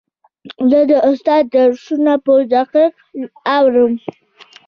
زه د استاد درسونه په دقت اورم.